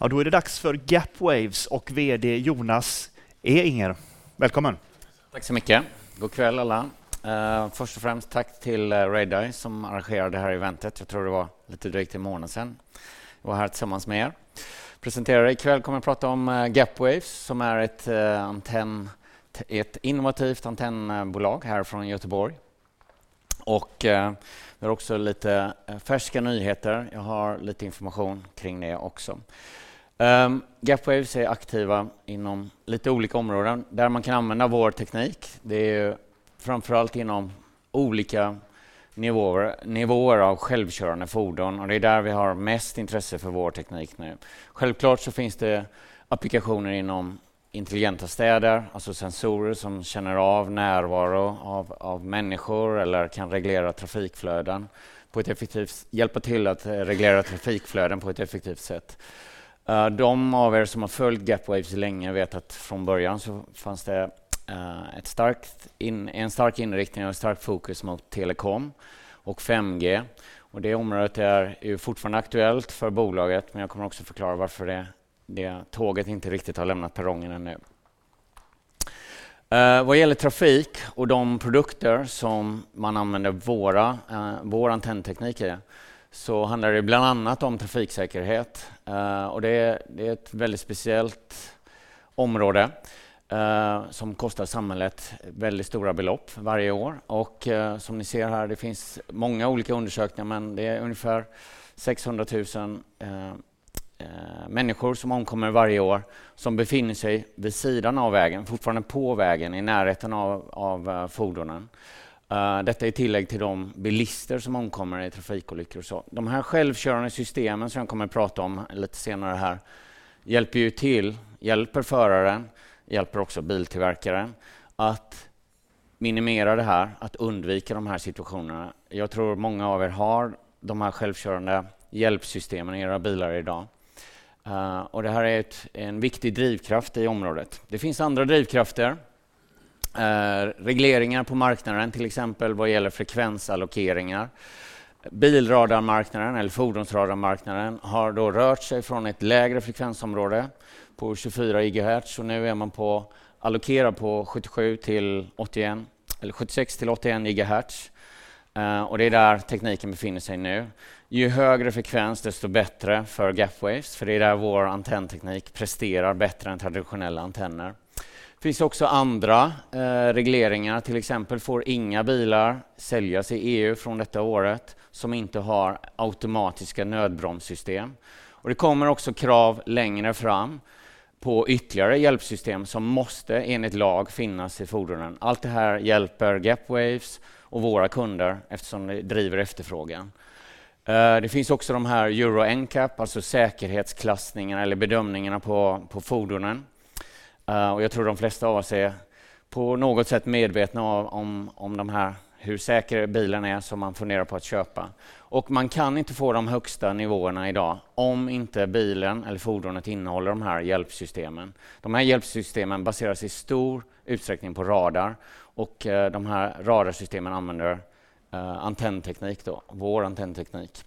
Ja, då är det dags för Gapwaves och VD Jonas Ehinger. Välkommen. Tack så mycket. God kväll alla. Först och främst tack till Redeye som arrangerar det här eventet. Jag tror det var lite drygt en månad sedan jag var här tillsammans med er, presenterade. I kväll kommer jag prata om Gapwaves som är ett antenn, ett innovativt antennbolag här från Göteborg. Och vi har också lite färska nyheter. Jag har lite information kring det också. Gapwaves är aktiva inom lite olika områden där man kan använda vår teknik. Det är framför allt inom olika nivåer av självkörande fordon och det är där vi har mest intresse för vår teknik nu. Självklart så finns det applikationer inom intelligenta städer, alltså sensorer som känner av närvaro av människor eller kan hjälpa till att reglera trafikflöden på ett effektivt sätt. De av er som har följt Gapwaves länge vet att från början så fanns det en stark inriktning och ett starkt fokus mot telecom och 5G. Det området är ju fortfarande aktuellt för bolaget, men jag kommer också förklara varför det tåget inte riktigt har lämnat perrongen ännu. Vad gäller trafik och de produkter som man använder vår antennteknik i, så handlar det bland annat om trafiksäkerhet. Det är ett väldigt speciellt område som kostar samhället väldigt stora belopp varje år. Som ni ser här, det finns många olika undersökningar, men det är ungefär 600,000 människor som omkommer varje år som befinner sig vid sidan av vägen, fortfarande på vägen, i närheten av fordonen. Detta i tillägg till de bilister som omkommer i trafikolyckor och så. De här självkörande systemen som jag kommer att prata om lite senare här hjälper ju till, hjälper föraren, hjälper också biltillverkaren att minimera det här, att undvika de här situationerna. Jag tror många av er har de här självkörande hjälpsystemen i era bilar i dag. Det här är ett, en viktig drivkraft i området. Det finns andra drivkrafter. Regleringar på marknaden, till exempel vad gäller frekvensallokeringar. Bilradarmarknaden eller fordonsradarmarknaden har då rört sig från ett lägre frekvensområde på 24 GHz och nu är det allokerat på 77-81 eller 76-81 GHz. Det är där tekniken befinner sig nu. Ju högre frekvens, desto bättre för Gapwaves, för det är där vår antennteknik presterar bättre än traditionella antenner. Det finns också andra regleringar, till exempel får inga bilar säljas i EU från detta året som inte har automatiska nödbromssystem. Det kommer också krav längre fram på ytterligare hjälpsystem som måste enligt lag finnas i fordonen. Allt det här hjälper Gapwaves och våra kunder eftersom det driver efterfrågan. Det finns också de här Euro NCAP, alltså säkerhetsklassningarna eller bedömningarna på fordonen. Jag tror de flesta av oss är på något sätt medvetna om de här, hur säker bilen är som man funderar på att köpa. Man kan inte få de högsta nivåerna i dag om inte bilen eller fordonet innehåller de här hjälpsystemen. De här hjälpsystemen baseras i stor utsträckning på radar och de här radarsystemen använder antennteknik då, vår antennteknik.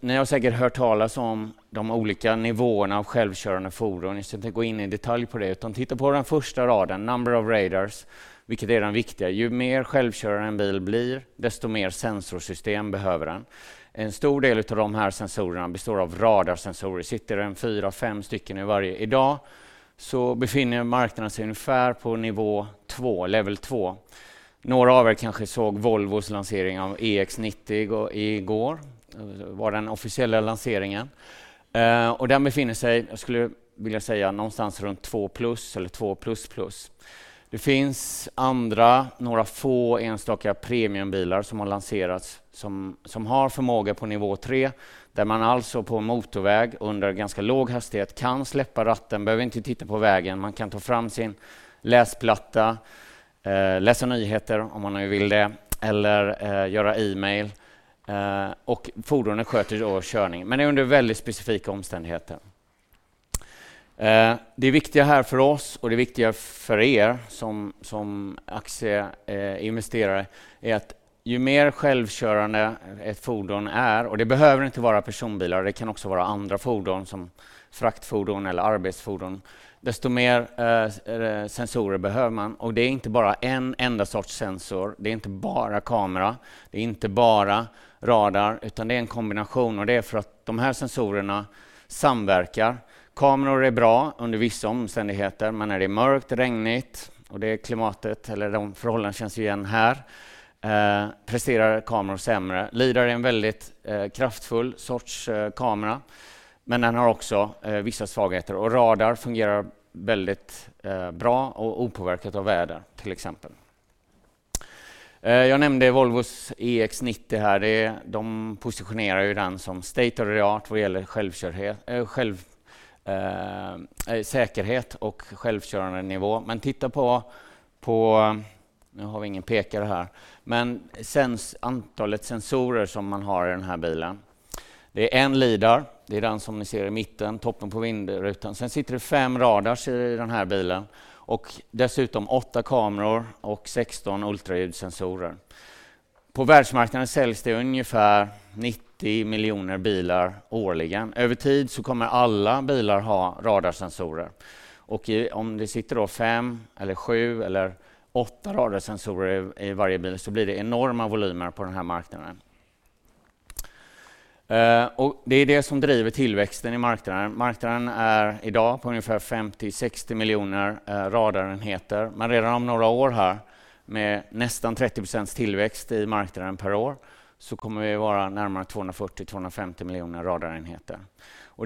Ni har säkert hört talas om de olika nivåerna av självkörande fordon. Jag ska inte gå in i detalj på det, utan titta på den första raden, number of radars, vilket är den viktiga. Ju mer självkörande en bil blir, desto mer sensorsystem behöver den. En stor del utav de här sensorerna består av radarsensorer. Sitter 4, 5 stycken i varje. I dag så befinner marknaden sig ungefär på nivå 2, level 2. Några av er kanske såg Volvos lansering av EX90 i går. Det var den officiella lanseringen. Den befinner sig, jag skulle vilja säga någonstans runt 2 plus eller 2 plus plus. Det finns andra, några få enstaka premiumbilar som har lanserats som har förmåga på nivå 3, där man alltså på motorväg under ganska låg hastighet kan släppa ratten, behöver inte titta på vägen. Man kan ta fram sin läsplatta, läsa nyheter om man nu vill det eller göra e-mail. Fordonet sköter då körningen, men det är under väldigt specifika omständigheter. Det viktiga här för oss och det viktiga för er som aktieinvestare är att ju mer självkörande ett fordon är, och det behöver inte vara personbilar, det kan också vara andra fordon som fraktfordon eller arbetsfordon, desto mer sensorer behöver man. Det är inte bara en enda sorts sensor, det är inte bara kamera, det är inte bara radar, utan det är en kombination och det är för att de här sensorerna samverkar. Kameror är bra under vissa omständigheter, men när det är mörkt, regnigt och det klimatet eller de förhållandena känns igen här presterar kameror sämre. LiDAR är en väldigt kraftfull sorts kamera, men den har också vissa svagheter och radar fungerar väldigt bra och opåverkat av väder, till exempel. Jag nämnde Volvos EX90 här. De positionerar ju den som state of the art vad det gäller självkörhet, själv, säkerhet och självkörande nivå. Men titta på. Nu har vi ingen pekare här. Men antalet sensorer som man har i den här bilen. Det är en LiDAR, det är den som ni ser i mitten, toppen på vindrutan. Sen sitter det 5 radars i den här bilen och dessutom 8 kameror och 16 ultraljudssensorer. På världsmarknaden säljs det ungefär 90 miljoner bilar årligen. Över tid så kommer alla bilar ha radarsensorer. Om det sitter då 5 eller 7 eller 8 radarsensorer i varje bil så blir det enorma volymer på den här marknaden. Det är det som driver tillväxten i marknaden. Marknaden är i dag på ungefär 50-60 miljoner radarenheter, men redan om några år här med nästan 30% tillväxt i marknaden per år, så kommer vi vara närmare 240-250 miljoner radarenheter.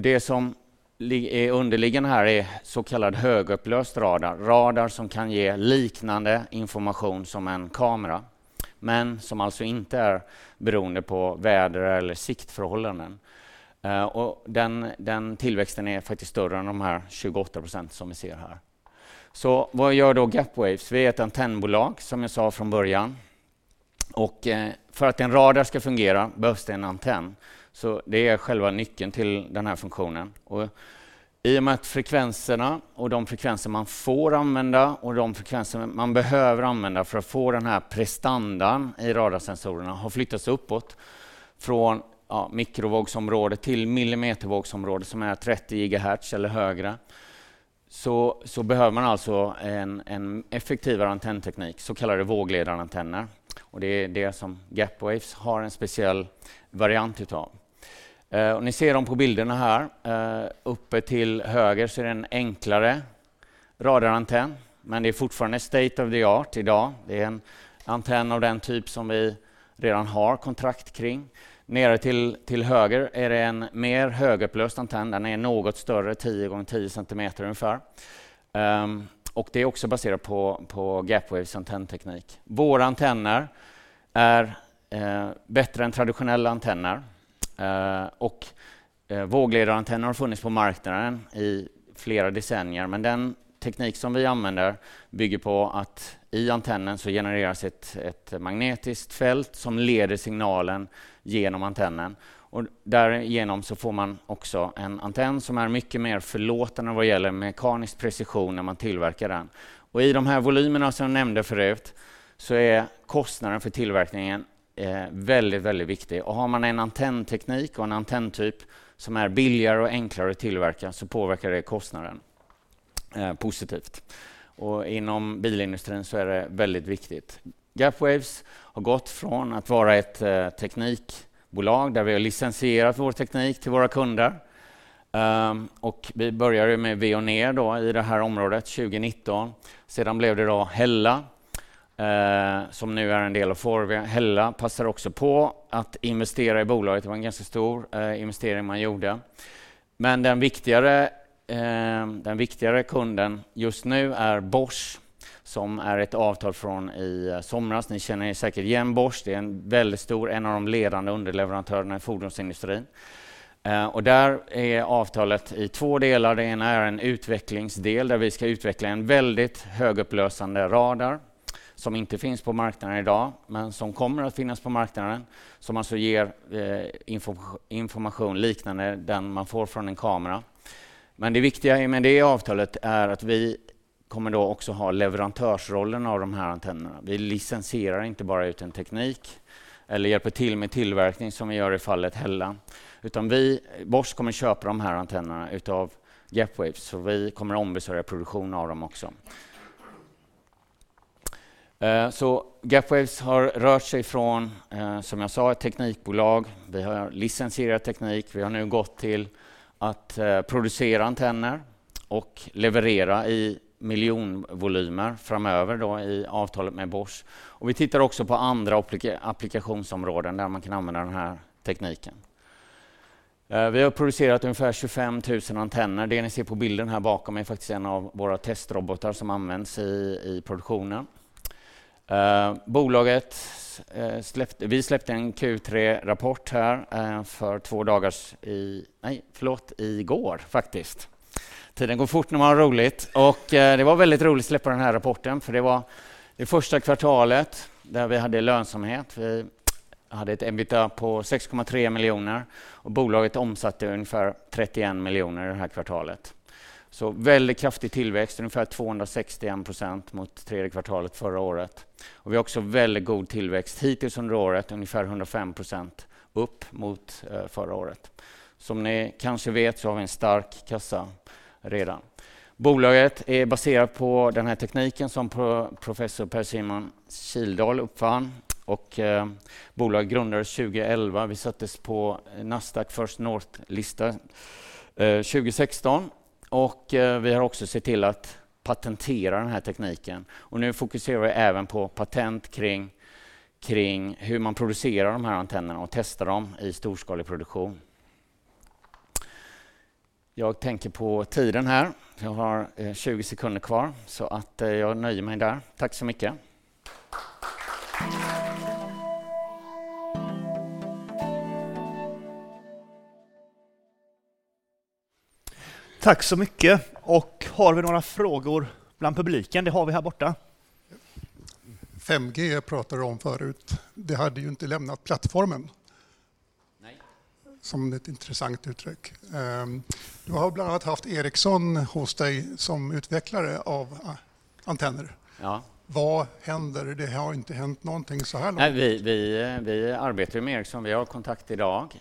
Det som ligger underliggande här är så kallad högupplöst radar. Radar som kan ge liknande information som en kamera, men som alltså inte är beroende på väder eller siktförhållanden. Den tillväxten är faktiskt större än de här 28% som vi ser här. Vad gör då Gapwaves? Vi är ett antennbolag som jag sa från början. För att en radar ska fungera behövs det en antenn. Det är själva nyckeln till den här funktionen. I och med att frekvenserna och de frekvenser man får använda och de frekvenser man behöver använda för att få den här prestandan i radarsensorerna har flyttats uppåt från mikrovågsområdet till millimetervågsområdet som är 30 gigahertz eller högre. Behöver man alltså en effektivare antennteknik, så kallade vågledarantenner. Det är det som Gapwaves har en speciell variant utav. Ni ser dem på bilderna här. Uppe till höger så är det en enklare radarantenn, men det är fortfarande state of the art i dag. Det är en antenn av den typ som vi redan har kontrakt kring. Nere till höger är det en mer högupplöst antenn. Den är något större, 10 gånger 10 centimeter ungefär. Det är också baserat på Gapwaves antennteknik. Våra antenner är bättre än traditionella antenner och vågledarantenner har funnits på marknaden i flera decennier, men den teknik som vi använder bygger på att i antennen så genereras ett magnetiskt fält som leder signalen genom antennen. Därigenom så får man också en antenn som är mycket mer förlåtande vad gäller mekanisk precision när man tillverkar den. I de här volymerna som jag nämnde förut så är kostnaden för tillverkningen väldigt viktig. Har man en antennteknik och en antenntyp som är billigare och enklare att tillverka, så påverkar det kostnaden positivt. Inom bilindustrin så är det väldigt viktigt. Gapwaves har gått från att vara ett teknikbolag där vi har licensierat vår teknik till våra kunder. Vi började med Veoneer då i det här området 2019. Sedan blev det då Hella, som nu är en del av Forvia. Hella passar också på att investera i bolaget. Det var en ganska stor investering man gjorde. Den viktigare kunden just nu är Bosch, som har ett avtal från i somras. Ni känner säkert igen Bosch. Det är en väldigt stor, en av de ledande underleverantörerna i fordonsindustrin. Och där är avtalet i två delar. Det ena är en utvecklingsdel där vi ska utveckla en väldigt högupplösande radar som inte finns på marknaden i dag, men som kommer att finnas på marknaden, som alltså ger information liknande den man får från en kamera. Det viktiga med det avtalet är att vi kommer då också ha leverantörsrollen av de här antennerna. Vi licensierar inte bara ut en teknik eller hjälper till med tillverkning som vi gör i fallet Hella, utan Bosch kommer köpa de här antennerna av Gapwaves. Vi kommer ombesörja produktion av dem också. Gapwaves har rört sig från, som jag sa, ett teknikbolag. Vi har licensierat teknik. Vi har nu gått till att producera antenner och leverera i miljonvolymer framöver då i avtalet med Bosch. Vi tittar också på andra applikationsområden där man kan använda den här tekniken. Vi har producerat ungefär 25,000 antenner. Det ni ser på bilden här bakom är faktiskt en av våra testrobotar som används i produktionen. Bolaget släppte, vi släppte en Q3-rapport här i går faktiskt. Tiden går fort när man har roligt och det var väldigt roligt att släppa den här rapporten för det var det första kvartalet där vi hade lönsamhet. Vi hade ett EBITDA på 6.3 miljoner och bolaget omsatte ungefär 31 miljoner det här kvartalet. Väldigt kraftig tillväxt, ungefär 261% mot tredje kvartalet förra året. Vi har också väldigt god tillväxt hittills under året, ungefär 105% upp mot förra året. Som ni kanske vet så har vi en stark kassa redan. Bolaget är baserat på den här tekniken som professor Per-Simon Kildal uppfann och bolaget grundades 2011. Vi sattes på Nasdaq First North-listan 2016 och vi har också sett till att patentera den här tekniken. Nu fokuserar vi även på patent kring hur man producerar de här antennerna och testar dem i storskalig produktion. Jag tänker på tiden här. Jag har 20 sekunder kvar så att jag nöjer mig där. Tack så mycket. Tack så mycket. Har vi några frågor bland publiken? Det har vi här borta. 5G pratade du om förut. Det hade ju inte lämnat plattformen. Nej. Som ett intressant uttryck. Du har bland annat haft Ericsson hos dig som utvecklare av antenner. Ja. Vad händer? Det har inte hänt nånting såhär långt. Nej, vi arbetar med Ericsson. Vi har kontakt i dag.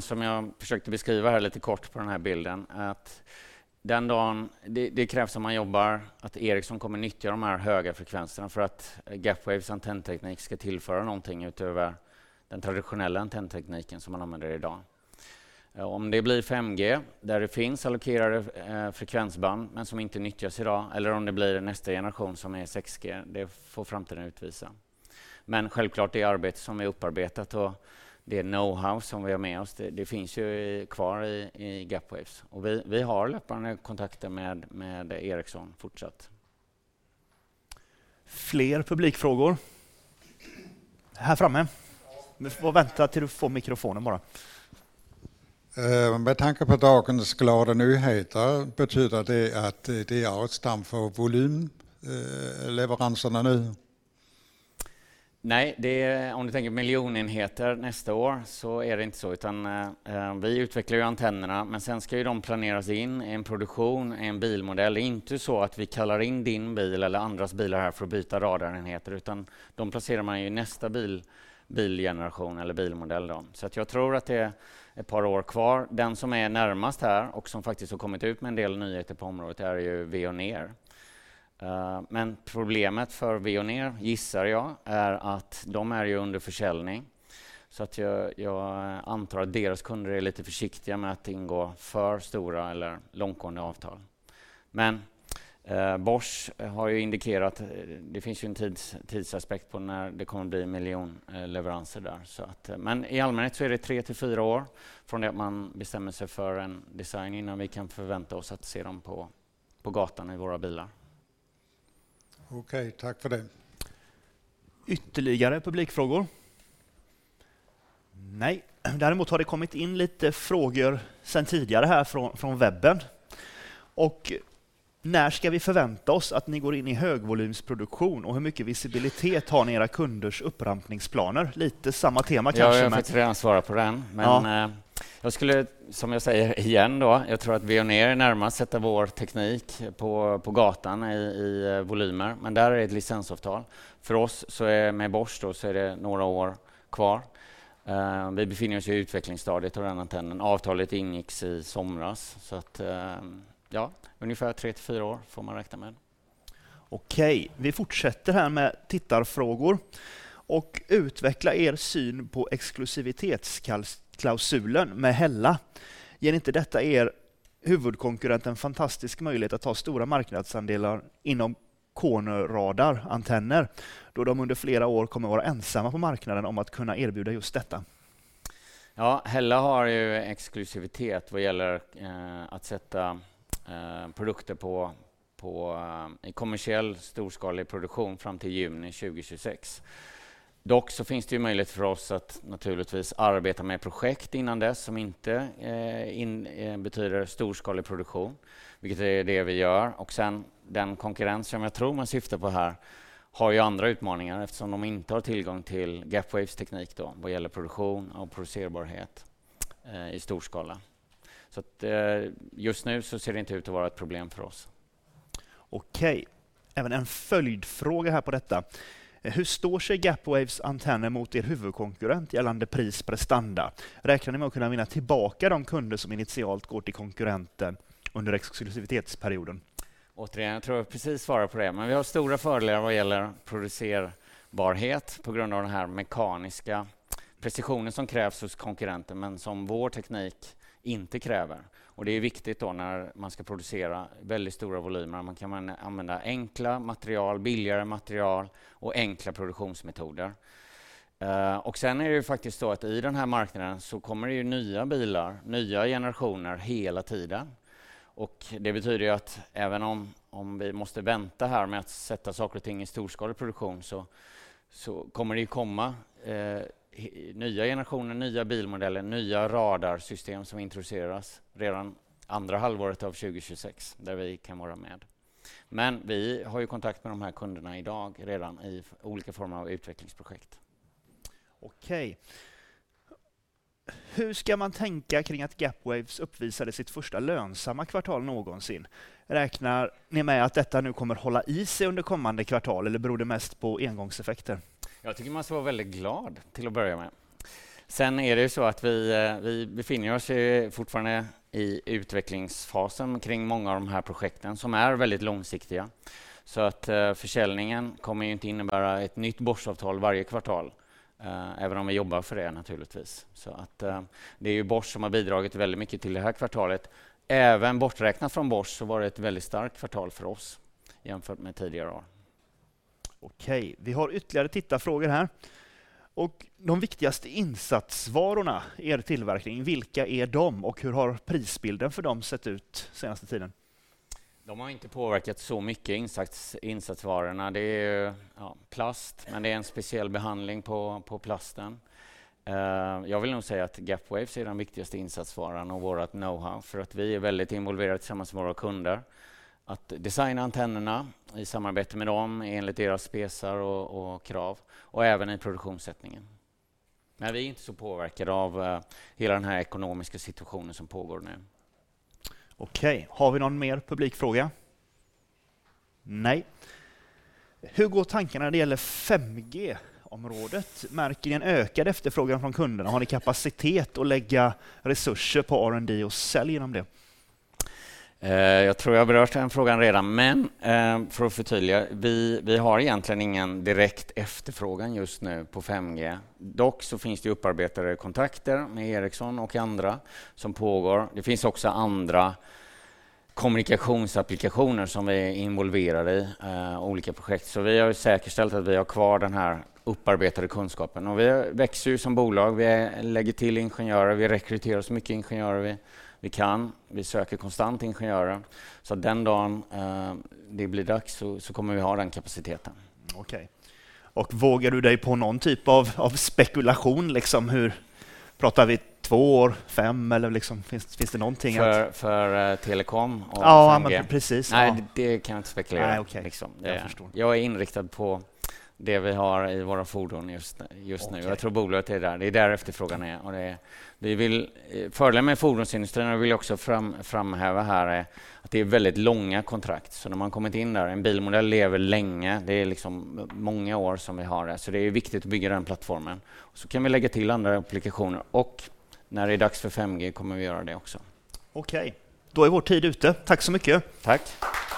Som jag försökte beskriva här lite kort på den här bilden att den dagen, det krävs om man jobbar, att Ericsson kommer nyttja de här höga frekvenserna för att Gapwaves antennteknik ska tillföra nånting utöver den traditionella antenntekniken som man använder i dag. Om det blir 5G, där det finns allokerade frekvensband, men som inte nyttjas i dag eller om det blir nästa generation som är 6G, det får framtiden utvisa. Självklart det arbete som är upparbetat och det know how som vi har med oss, det finns ju kvar i Gapwaves. Vi har löpande kontakter med Ericsson fortsatt. Fler publikfrågor. Här framme. Du får vänta till du får mikrofonen bara. Med tanke på dagens glada nyheter, betyder det att det är ett steg för volymleveranserna nu? Nej, det, om du tänker miljon enheter nästa år så är det inte så. Vi utvecklar ju antennerna, men sen ska ju de planeras in i en produktion, i en bilmodell. Det är inte så att vi kallar in din bil eller andras bilar här för att byta radar enheter, utan de placerar man ju i nästa bil, bilgeneration eller bilmodell då. Jag tror att det är ett par år kvar. Den som är närmast här och som faktiskt har kommit ut med en del nyheter på området är ju Veoneer. Problemet för Veoneer gissar jag är att de är ju under försäljning. Jag antar att deras kunder är lite försiktiga med att ingå för stora eller långtgående avtal. Bosch har ju indikerat, det finns ju en tidsaspekt på när det kommer bli miljonleveranser där. I allmänhet så är det 3-4 år från det att man bestämmer sig för en design innan vi kan förvänta oss att se dem på gatan i våra bilar. Okej, tack för det. Ytterligare publikfrågor? Nej, däremot har det kommit in lite frågor sen tidigare här från webben. Och när ska vi förvänta oss att ni går in i högvolymsproduktion och hur mycket visibilitet har ni era kunders upprampningsplaner? Lite samma tema kanske. Ja, jag har redan svarat på den. Jag skulle, som jag säger igen då, jag tror att Veoneer är närmast sätta vår teknik på gatan i volymer, men där är det ett licensavtal. För oss så är det med Bosch, då är det några år kvar. Vi befinner oss i utvecklingsstadiet av den antennen. Avtalet ingicks i somras. Så ja, ungefär 3-4 år får man räkna med. Okej, vi fortsätter här med tittarfrågor. Utveckla er syn på exklusivitetsklausulen med Hella. Ger inte detta er huvudkonkurrent en fantastisk möjlighet att ta stora marknadsandelar inom corner radarantenner, då de under flera år kommer att vara ensamma på marknaden om att kunna erbjuda just detta? Ja, Hella har ju exklusivitet vad gäller att sätta produkter på kommersiell storskalig produktion fram till juni 2026. Dock så finns det ju möjlighet för oss att naturligtvis arbeta med projekt innan dess som inte betyder storskalig produktion, vilket är det vi gör. Sen den konkurrens som jag tror man syftar på här har ju andra utmaningar eftersom de inte har tillgång till Gapwaves teknik då vad gäller produktion och producerbarhet i stor skala. Att just nu så ser det inte ut att vara ett problem för oss. Okej, även en följdfråga här på detta. Hur står sig Gapwaves antenner mot er huvudkonkurrent gällande prisprestanda? Räknar ni med att kunna vinna tillbaka de kunder som initialt går till konkurrenten under exklusivitetsperioden? Återigen, jag tror jag precis svarade på det, men vi har stora fördelar vad gäller producerbarhet på grund av den här mekaniska precisionen som krävs hos konkurrenter, men som vår teknik inte kräver. Det är viktigt då när man ska producera väldigt stora volymer. Man kan använda enkla material, billigare material och enkla produktionsmetoder. Sen är det ju faktiskt så att i den här marknaden så kommer det ju nya bilar, nya generationer hela tiden. Det betyder ju att även om vi måste vänta här med att sätta saker och ting i storskalig produktion så kommer det ju komma nya generationer, nya bilmodeller, nya radarsystem som introduceras redan andra halvåret av 2026, där vi kan vara med. Vi har ju kontakt med de här kunderna i dag redan i olika former av utvecklingsprojekt. Okej. Hur ska man tänka kring att Gapwaves uppvisade sitt första lönsamma kvartal någonsin? Räknar ni med att detta nu kommer hålla i sig under kommande kvartal eller beror det mest på engångseffekter? Jag tycker man ska vara väldigt glad till att börja med. Sen är det ju så att vi befinner oss ju fortfarande i utvecklingsfasen kring många av de här projekten som är väldigt långsiktiga. Så att försäljningen kommer ju inte innebära ett nytt Boschavtal varje kvartal, även om vi jobbar för det naturligtvis. Så att det är ju Bosch som har bidragit väldigt mycket till det här kvartalet. Även borträknat från Bosch så var det ett väldigt starkt kvartal för oss jämfört med tidigare år. Okej, vi har ytterligare tittarfrågor här. De viktigaste insatsvarorna i er tillverkning, vilka är de och hur har prisbilden för dem sett ut senaste tiden? De har inte påverkat så mycket insatsvarorna. Det är ja plast, men det är en speciell behandling på plasten. Jag vill nog säga att Gapwaves är den viktigaste insatsvaran och vårt know-how för att vi är väldigt involverade tillsammans med våra kunder. Att designa antennerna i samarbete med dem enligt deras specar och krav och även i produktionssättningen. Men vi är inte så påverkade av hela den här ekonomiska situationen som pågår nu. Okej, har vi någon mer publik fråga? Nej. Hur går tankarna när det gäller 5G-området? Märker ni en ökad efterfrågan från kunderna? Har ni kapacitet att lägga resurser på R&D och sälj inom det? Jag tror jag berört den frågan redan, men för att förtydliga, vi har egentligen ingen direkt efterfrågan just nu på 5G. Dock så finns det upparbetade kontakter med Ericsson och andra som pågår. Det finns också andra kommunikationsapplikationer som vi är involverade i, olika projekt. Så vi har ju säkerställt att vi har kvar den här upparbetade kunskapen. Och vi växer ju som bolag, vi lägger till ingenjörer, vi rekryterar så mycket ingenjörer vi kan. Vi söker konstant ingenjörer. Så den dagen det blir dags så kommer vi att ha den kapaciteten. Okej. Vågar du dig på någon typ av spekulation, liksom, hur pratar vi två år, fem eller, liksom, finns det någonting att- För telekom och 5G? Ja, men precis. Nej, det kan jag inte spekulera i, liksom. Nej, okej, jag förstår. Jag är inriktad på det vi har i våra fordon just nu. Jag tror bolaget är där. Det är där efterfrågan är. Fördelen med fordonsindustrin, och det vill jag också framhäva här, är att det är väldigt långa kontrakt. När man kommit in där, en bilmodell lever länge. Det är liksom många år som vi har det. Det är viktigt att bygga den plattformen. Vi kan lägga till andra applikationer. När det är dags för 5G kommer vi att göra det också. Okej, då är vår tid ute. Tack så mycket. Tack.